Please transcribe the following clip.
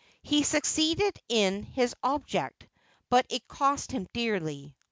He succeeded in his object, but it cost him dearly.